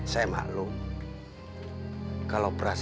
jangan lupa study algebra kuot